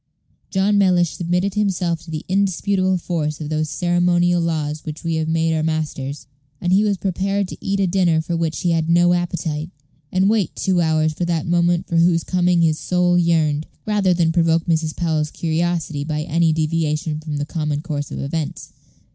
John Mellish submitted himself to the indisputable force of those ceremonial laws which we have made our masters, and he was prepared to eat a dinner for which he had no appetite, and wait two hours for that moment for whose coming his soul yearned, rather than provoke Mrs. Powell's curiosity by any deviation from the common course of events.